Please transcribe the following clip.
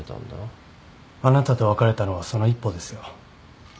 あなたと別れたのはその一歩ですよ。